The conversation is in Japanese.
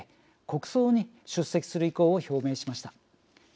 国葬に出席する意向を表明しました。